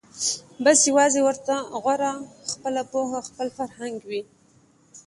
بس یوازي ورته غوره خپله پوهه خپل فرهنګ وي